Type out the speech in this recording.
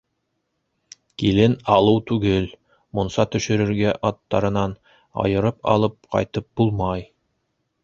Килен алыу түгел, мунса төшөрөргә аттарынан айырып алып ҡайтып булмай.